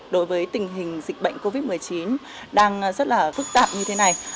đối với tình hình dịch bệnh covid một mươi chín đang rất là phức tạp như thế này